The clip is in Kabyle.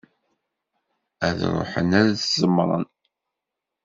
Ad ruḥen ad ẓemmren.